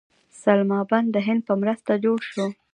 سلما بند د هند په مرسته جوړ شو